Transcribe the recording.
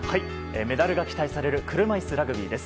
メダルが期待される車いすラグビーです。